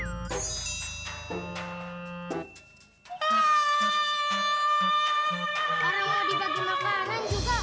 ih kita kijken banget salesnya